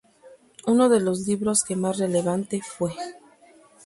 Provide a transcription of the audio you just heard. Uno de los libros que más relevante fue;